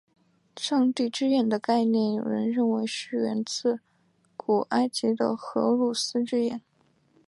上帝之眼的概念有人认为是源自古埃及的荷鲁斯之眼。